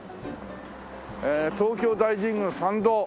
「東京大神宮参道」